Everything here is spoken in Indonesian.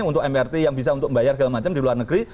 untuk mrt yang bisa untuk membayar segala macam di luar negeri